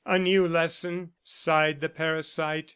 "A new lesson," sighed the parasite.